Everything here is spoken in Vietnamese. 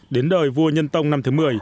đến đời vua nhân tông năm thứ một mươi